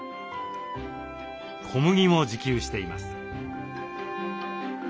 小麦も自給しています。